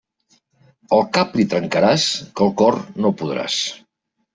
El cap li trencaràs, que el cor no podràs.